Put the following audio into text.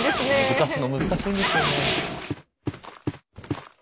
動かすの難しいんですよね。